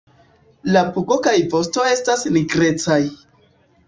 La pugo kaj vosto estas nigrecaj.